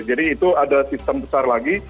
jadi itu ada sistem besar lagi